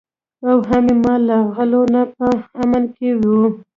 او هم یې مال له غلو نه په امن کې وي.